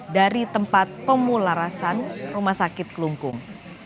dari tempat pemularasan rumah sakit kelungkung